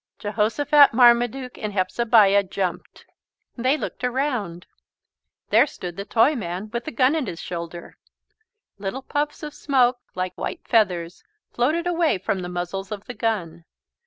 Jehosophat, Marmaduke and Hepzebiah jumped. They looked around. There stood the Toyman with the gun at his shoulder. Little puffs of smoke like white feathers floated away from the muzzles of the gun.